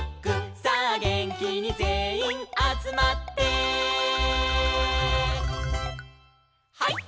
「さあげんきにぜんいんあつまって」「ハイ！